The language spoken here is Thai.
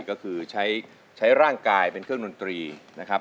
ก็คือใช้ร่างกายเป็นเครื่องดนตรีนะครับ